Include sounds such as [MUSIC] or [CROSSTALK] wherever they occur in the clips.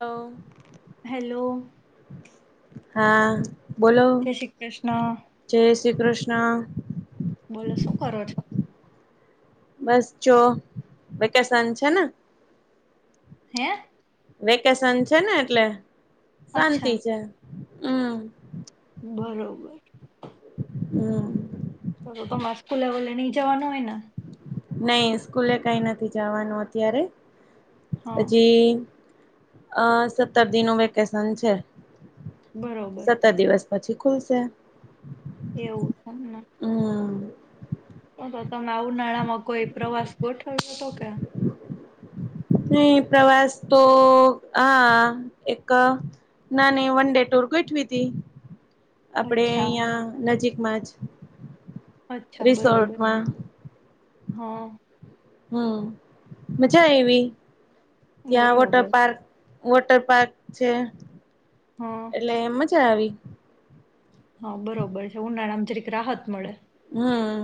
હા. હેલો. હા. બોલો જય શ્રી કૃષ્ણ જય શ્રી કૃષ્ણ. બોલો શું કરો છો બસ જો વેકેશન છે ને હે. વેકેશન છે ને એટલે શાંતિ અચ્છા છે. હમ્મ. બરોબર. હમ્મ. તમારે સ્કૂલે ઓલે નઈ જવાનું હોય ને. નઈ સ્કૂલે કઈ નથી જવાનું અત્યારે હા હજી. આ સત્તર દિનો વેકેશન છે. બરોબર. સત્તર દિવસ પછી ખુલશે. એવું છે એમ ને. હમ તો તો તમે ઉનાળામાં કોઈ પ્રવાસ ગોઠવ્યો હતો કે? ની પ્રવાસ તો હા એક નાની વન ડે ટુર ગોઠવી તી. આપડે અચ્છા અહિયાં નજીક માં જ અચ્છા બરોબર રિસોર્ટમાં. હા. હમ્મ મજા આવી. ત્યાં વોટર બરોબર પાર્ક વોટર પાર્ક છે. હા એટલે મજા આવી. હા બરોબર છે ઉનાળા આમ જરીક રાહત મળે. હમ્મ.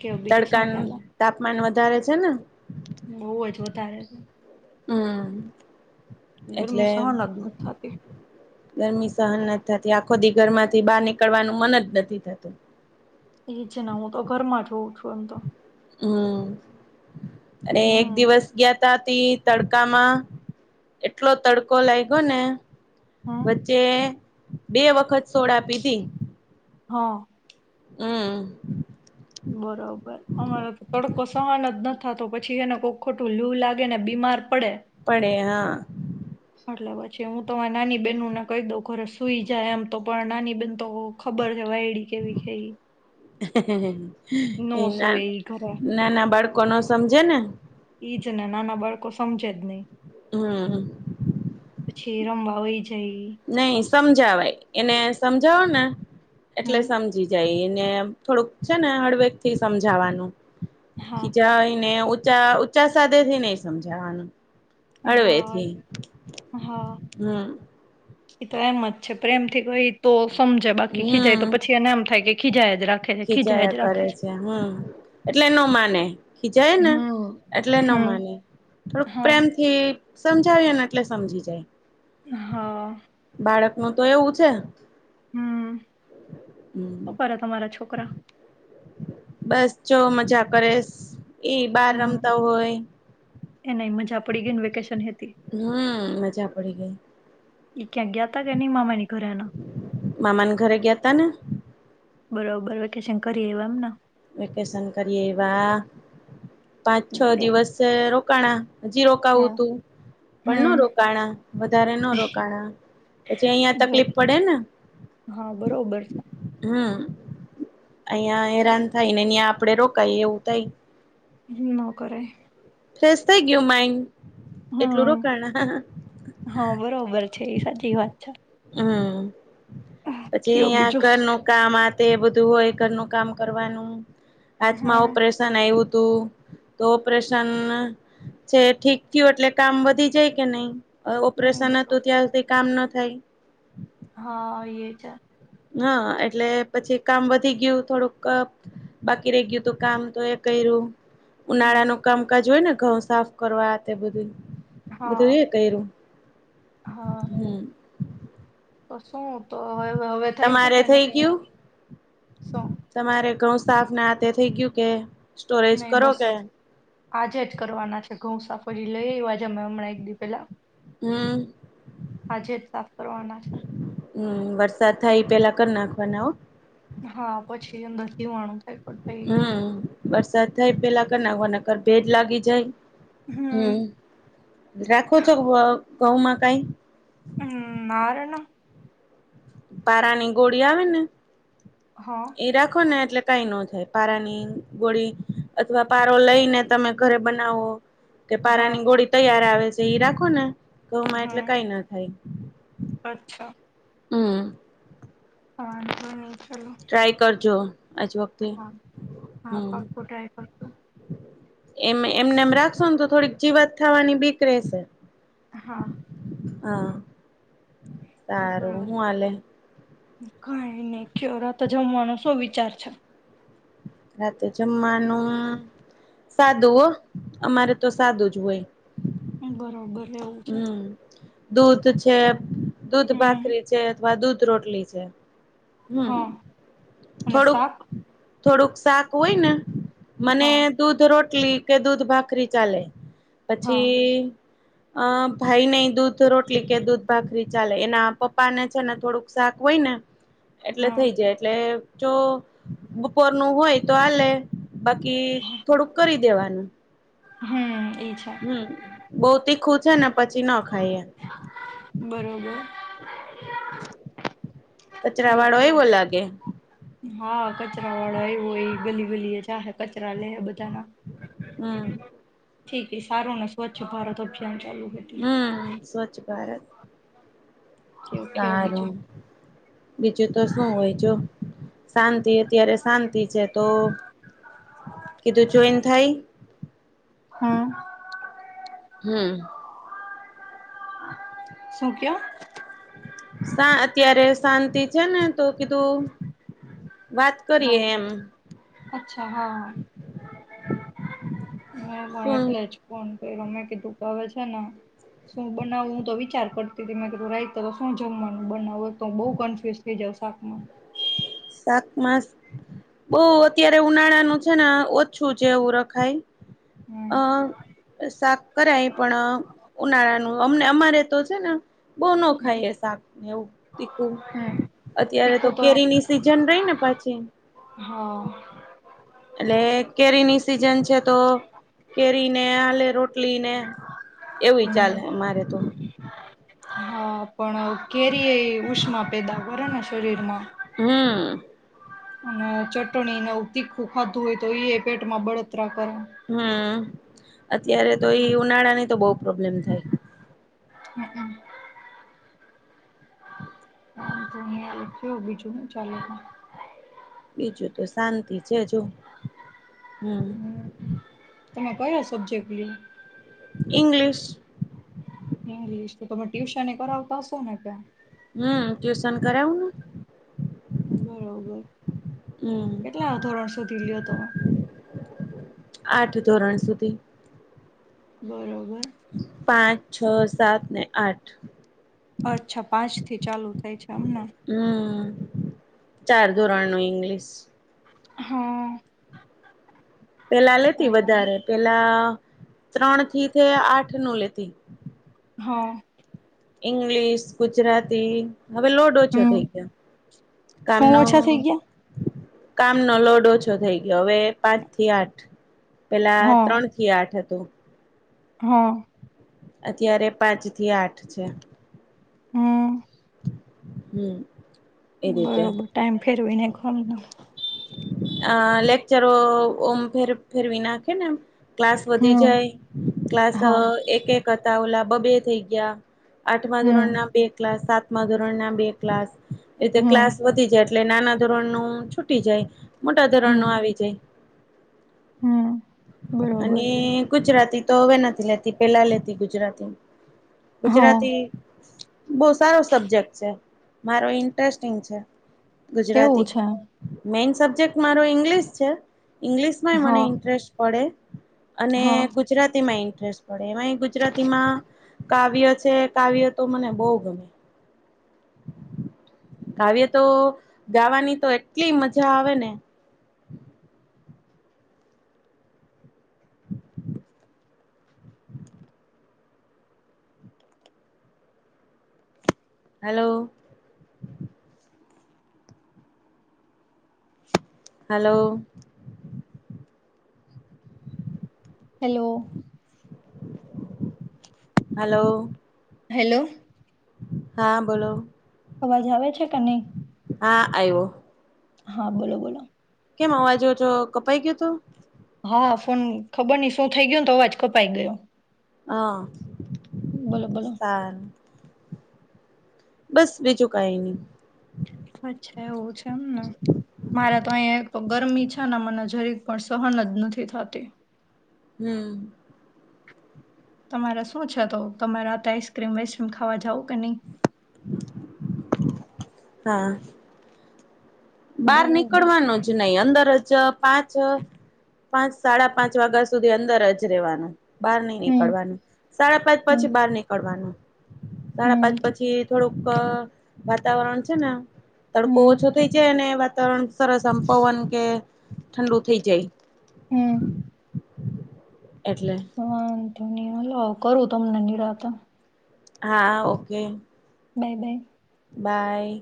કેવ બીજું શું તડકાનું તાપમાન વધ વધારે છે ને? બહું જ વધારે. હમ્મ. ગરમી સહન જ નથ થાતી. ગરમી સહન નથી થતી આખો દિ ઘરમાંથી બહાર નીકળવાનું મન જ નથી થતું. એજ ને હું તો ઘરમાં જ હોઉં છું. ઓમ તો. હમ્મ. અને એક હમ દિવસ ગયાતા થી તડકામાં એટલો તડકો લાગ ગ્યો ને હમ વચ્ચે બે વખત સોડા પીધી. હા. હમ્મ. બરોબર અમારે તો તડકો સહન જ નથી થાતો પછી હે ને કોક ખોટું લૂ લાગે ને બીમાર પડે પડે હા. એટલે પછી હું તો મારી નાની બહેનુંને કહી દઉં ઘરે સુઈ જાય એમ તો પણ નાની બહેન તો ખબર છે વાયડી કેવી છે ઈ. હે હે હે. નો ઈ ના સુવે ઈ ઘરે નાના બા કોનો સમજે ને ઈજ ને નાના બાળકો સમજે જ નહી. હમ્મ. પછી ઈ રમવા વઈ જાય. ઈ. નહી સમજાવાય એને. સમજોને. એટલે હમ સમજી જાય. ને થોડુંક છે ને હળવેક થી સમજાવાનું. હા ખી જાયને ઉ ઊંચા સાથેધ થી નહી સમજાવાનું. હા અળવેથી હા હમ્મ. એ તો એમ જ છે પ્રેમથી કોઈ તો. સમજે બાકી ખી જાય તો પછી એને એમ થાય કે. ખીજાય. જ રાખે છે ખીજાય જ ખીચાયા રાખે કરે છે હમ્મ એટલે ન માને. ખીજાય ને હમ એટલે ન હમ માને, થોડુંક હા પ્રેમથી સમજાવીયે ને એટલે સમજી જાય. હાં. બાળકનું તો એવું છે હમ્મ, હમ શું કરે તમારા છોક્ કરા બસ જો મજા કરે સ. એ બાર રમતા હોય. એનેય મજા પડી ગયને વેકેશન હે તે. હમ મજા પડી ગઈ ઈ ક્યાંક ગયા તે કે ની માામાની મામાન ઘરે ગ્યા તા ને. કેશન કરી આય્વા એમ ન? વેકેેશન કરી આય્વા. પાંચ છ બરોબર દિવસે રો કણા હજી રોકાવું હા તુ, પણ હમ ન રોકાણા વધારે ન રોકાણા, પછી અઈયા તકલીફ પડે ને? હા બરોબર છે હમ્મ. અઈયા એરાન અિયાં આપડે રોકાઈ એવું થાય. હ નોકરે. ફ્રેશ થઇ ગ્યુ માઇન્ડ! એટલું હમ, રોકાણ હં બરોબર છે ઈ સાચી વાત છે. હમ. પછી કયો અહિયાં બીજો ઘરનું કામ આ તે બધું હોય ઘરનું કામ કરવાનું. હાથમાં હમ ઓપરેશન આવ્યું. તો તો પ્રશ્ન. [UNINTELLIGIBLE] જે ઠીક થયું એટલે કામ વધી જાય કે નહી. અ હમ ઓપરેશન હતું બરોબર ત્યાં હુથી કામ નથ. થઈ. હા એ છ. હા એટલે પછી કામ વધી ગયું થોડુંક ક બાકી રહી ગયું તું કામ તો એ કર્યું. ઉનાળા ન હમ કામકાજ હોય ને. ઘઉ સાફ કરવા તે બધું. બધું હા એ કર્યું હમ. ઓસ. શું તો હવે થઈ છે તમારે કે થઈ નહી ગયું શું? તમારે ઘઉં સાફ ના આ તે થેગ્યુ કે? સ્ટોરેજ નહી કરો બસ કે આજે જ કરવાના છે ઘઉસાફરી લઈ આજે અમે હમણાં. દી પેલા. હમ. આજે જ સાફ કરવાના છે. હમ વરસાદ થાય પેલા કરી નાખવાના અ. હા પછી અંદર [UNINTELLIGIBLE] થાય. પણ ભાઈ હમ વરસાદ થાય પેલા. કર નાખવાના કર ભેજ લાગી જાય. હમ રાખો છો વ. કહુંમાં કઈ. હમ ના રે ના. પારાની ગોળી આવે ને. હા એ રાખો ને એટલે કઈ ન થાય. પારાની ગોળી અથવા પારો લઈને તમે ઘરે બનાવો. કે હા પારાની ગોળી તૈયાર આવે. એ રાખો ને. ગઉમાં એટલે હમ કઈ ન થાય. અચ્છા. હમ. વાંધો ની. ટ્રાય કરજો. આજ વખતે હા, હા પાક્કુ ટ્રાય કરશું. એ એમને એમ રાખશો ને તો થોડીક જીવાત થવાની બીક રહેશે. હા હા સારું. હું હાલે? કંઈ નહી. ક્યો રાતે જમવાનો શું વિચાર છે? રાતે જમવાનું, સાદું હો. અમારે તો સાદું જ હોય. બરોબર. એવું છે હમ. દૂધ છે દુધ હમ ભાખરી છે વા દૂધ રોટલી છે. હમ હા અને થોડુંક શાક થોડુંક શાક હોય ને મને હા દૂધ રોટી લ કે દૂધ ભાખરી ચાલે હા પછી અ ભાઈ ને એ દૂધ રોટલી કે દૂધ ભાખરી ચાલે એના પપ્પા ને છે ને થોડુંક શાક હોય ને એટલે હા થઈ જાય એટલે જો બપોર નું હોય તો આલે. બાકી થોડુંક કરી દેવા હમ. હમ. ઈ છે હમ બવ તીખૂ છે ને પછી ના ખાઈ એમ બરોબર કચરા ઓ વાળો એવો લાગે હા કચરા વાળા એવય ગલી ગલી એ ચ કચરા લે બધાના હમ ઠીક સારું ને સ્વચ્છ ભારત અભિયાન. ચાલુ હતું હમ સ્વચ્છ ભારત કેવુંક હે સારું બીજું. બીજું તો શું હોય જો શાંતિ અત્યારે શાંતિ છે તો કીધું જોઈન થાય હમ. શું કયો? સાં અત્યારે શાંતિ છે ને તો કીધું. વાત કરીએ હા, એમ અચ્છા હા હ. હ, પણ શું એટલે જ પણ. અમેં કીધું કે અવે છે, ને શું બનાવું હું તો વિચાર કરતી હતી મેં કીધું તો શું જમવાનું બનાવું બો કન્ફ્યુઝ થઈ જાવ શાકમાં. શાકમાં બો અત્યારે ઉનાળાનું છે ને ઓછું છે એવું રખાય અ, હમ શાક કરાય પણ ઉનાળાનું અમને અમારે તો છે ને બો ન ખાય એ શાક ને એવું તીખું. હમ અત્યારે તો કેરીની [UNINTELLIGIBLE] રહી ને પાછી. હા એટલે કેરીની સિઝન છે, તો કેરીને આલે, રોટલીને એવું ચાલે હમ અમારે તો. અ કેરી એ ઉષ્માં પેદા કરે ને. શરીરમાં હ અ અને ચટણી ને એવુ તીખું ખાધું હોય તો એ પેટમાં બળતરા કરે. હમ અત્યારે તો ઈ ઉનાળા ની તો બો પ્રોબ્લેમ થાય. હમમ શું બીજું હું ચાલે? બીજું તો શાંતિ છે. જો હમ. તમે કયો સબ્જેક્ટ લી. ઇંગ્લિશ. ઇંગ્લિશ તો તમે ટ્યુશન એ કરાવતા હશો ને ત્યા. હમ ટ્યુશન કરાવુંને. બરોબર હમ કેટલા ધોરણ સુધી લ્યો તમે. આઠ ધોરણ સુધી. બરોબર. પાંચ, છ, સાત ને આઠ. અચ્છા પાંચ થી ચાલુ થાય છે એમને. હમ ચાર ધોરણ નું ઇંગ્લિશ. હા અ પેલા લેતી વધારે, પેલા ત્રણથી તે આઠ નું લેતી. હા અ ઇંગ્લિશ, ગુજરાતી. હવે લોડ ઓછો હમ થઈ ગયો શું કામનો ઓછા થઈ ગયા કામનો લોડ ઓછો થઈ ગયો. હવે પાંચ થી આઠ પેલા હા ત્રણથી આઠ હતી. તો હા અ અત્યારે પાંચ થી આઠ છે. હમ્મ અ હમ્મ અ બરોબર. ટાઈમ ફેરવીને [UNINTELLIGIBLE] અ લેક્ચરો ઓમ ફેરવી નાખે ને ક્લાસ વધી હમ જાય, ક્લાસ હા એક-એક ઓલા બે-બે થઈ ગયા. આઠમા હમ ધોરણ ના બે ક્લાસ, સાતમા ધોરણ ના બે ક્લાસ એ યક્લાસ હમ વધી જાય એ એટલે નાના ધોરણનું છુ ટી જાય. મોટા હમ ધોરણનું આવી જાય. હમ બરોબર અને ગુજરાતી તો હવે નથી લેતી, પેલા લેતી ગુજરાતી. હા ગુજરાતી બહુ સારો સબ્જેક્ટ છે, મારો ઇન્ટરેસ્ટિંગ છે. એવું ગુજરાતી છે! મેઈન સબ્જેક્ટ મારો ઈંગ્લિશ છે. ઇંગ્લિશમાંય મને હા ઇન્ટરેસ્ટ પડે. [INAUDIBLE] અને હા ગુજરાતીમાં ઇન્ટ પડે એમાં ગુજરાતીમાં કાવ્ય છે કાવ્ય તો મને બહુ ગમે. કાવ્યતો ગાવાની તો એટલી મજા આવે ને hello [INAUDIBLE] hello [INAUDIBLE] hello. [INAUDIBLE] Hello hello. હા બોલો. અવાજ આવે છે કે નહી. હા આવ્યો હા બોલો બોલો. કેમ અવાજો ઓછો કપાઈ ગયો તો. હા ફોન ખબર નઈ શું થઈ ગયુ ને તો અવાજ કપાઈ ગયો. હા બોલો બોલો સારૂ. બસ બીજું કઈ નહી. અયા એક તો ગરમી છે ને મને જરીક પણ સહન જ નથી થતી. હમ. તમારા શું છે તો તમે રાતે આઈસક્રીમ વાઈસક્રીમ ખાવા જાવ કે નહી? હા. બહાર બરોબર નીકળવાનું જ નહી અંદર જ પાંચ-પાંચ સાડા પાંચ વાગ્યા સુધી અંદર જ રહેેવાનું. બહાર નઈ હમ નીકળવાનું. સાડા પાંચ હમ પછી બહાર નીકળવાનું. સાડા પાંચ હમ પછી થોડુંક વાતાવરણ છે ને આમ તડકો હમ ઓછો થઈ અને વાતાવરણ સરસ આમ પવન કે ઠંડુ થઈ જાય. હમ્મ. એટલે હલો કરું તમને નિરાતે. હા ઓકે. બાય-બાય. બાય.